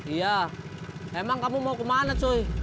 iya emang kamu mau kemana sih